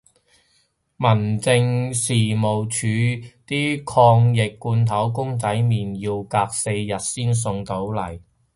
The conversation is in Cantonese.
民政事務署啲抗疫罐頭公仔麵要隔四日先送到嚟